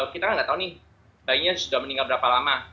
kita kan nggak tahu nih bayinya sudah meninggal berapa lama